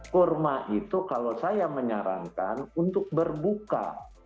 kurma itu kalau saya menyarankan untuk berbuka